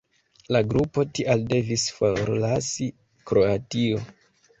La grupo tial devis forlasi Kroatio.